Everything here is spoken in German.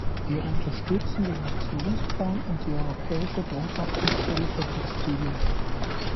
Wir unterstützen den Aktionsplan und die Europäische Beobachtungsstelle für Textilien.